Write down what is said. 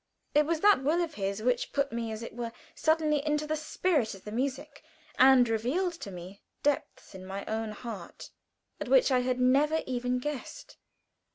It was that will of his which put me as it were suddenly into the spirit of the music, and revealed me depths in my own heart at which I had never even guessed.